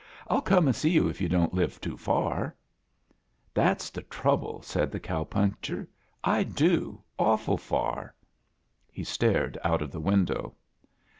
"Ill come and see yoa if you don't live, too far." 'That's the troafafe," said the cow puncher. "I do. Awfol far." He stared out of the window.